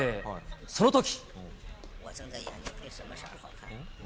そのとき。